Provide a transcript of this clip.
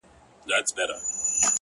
• او پر لار د طویلې یې برابر کړ,